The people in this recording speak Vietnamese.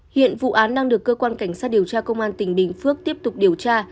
hiện vụ án đang được cơ quan cảnh sát điều tra công an tỉnh bình phước tiếp tục điều tra